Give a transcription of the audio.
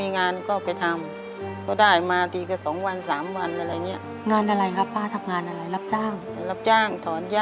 งานอะไรครับป้าทำงานอะไรรับจ้าง